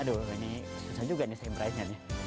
aduh ini susah juga nih saya berani